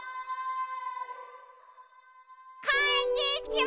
こんにちは！